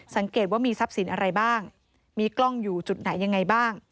สังเกตว่ามีทรัพย์สินอะไรบ้างมีกล้องอยู่จุดไหนยังไงบ้าง